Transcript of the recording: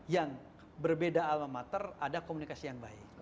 yang berbeda alma mater ada komunikasi yang baik